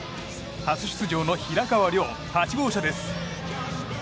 初出場の平川亮、８号車です。